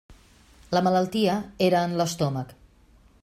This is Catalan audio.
La malaltia era en l'estómac.